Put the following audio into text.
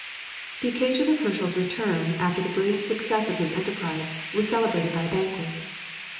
The occasion of Herschel's return after the brilliant success of his enterprise, was celebrated by a banquet.